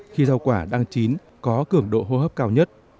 khi rau quả đang chín có cường độ hô hấp cao nhất